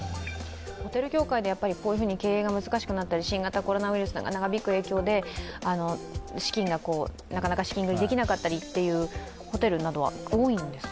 ホテル業界でこうやって経営が難しくなったり新型コロナウイルスが長引く影響でなかなか資金繰りできなかったりというホテルなどは多いんですか？